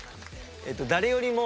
誰よりも。